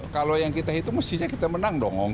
kalau yang kita hitung mestinya kita menang dong